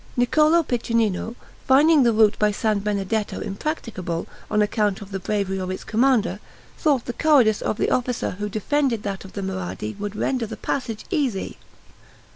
Niccolo Piccinino, finding the route by San Benedetto impracticable, on account of the bravery of its commander, thought the cowardice of the officer who defended that of Marradi would render the passage easy.